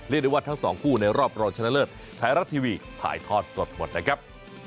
ได้ว่าทั้งสองคู่ในรอบรองชนะเลิศไทยรัฐทีวีถ่ายทอดสดหมดนะครับ